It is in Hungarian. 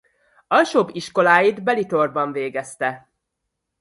Alsóbb iskoláit Ballitore-ban végezte.